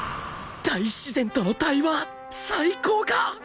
大自然との対話最高か！